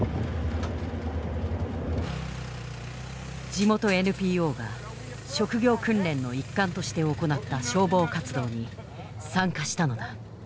地元ＮＰＯが職業訓練の一環として行った消防活動に参加したのだ。